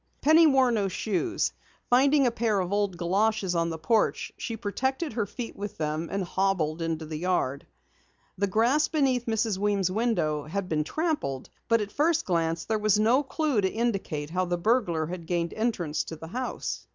Penny wore no shoes. Finding a pair of old galoshes on the porch, she protected her feet with them, and hobbled into the yard. The grass beneath Mrs. Weems' window had been trampled, but at first glance there was no clue to indicate how the burglar had gained entrance to the house.